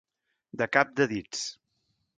De cap de dits.